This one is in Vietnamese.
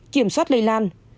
kiểm soát lây lan